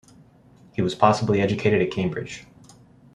He was possibly educated at Cambridge.